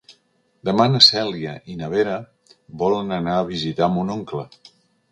Demà na Cèlia i na Vera volen anar a visitar mon oncle.